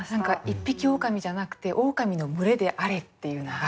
一匹オオカミじゃなくてオオカミの群れであれっていうのが。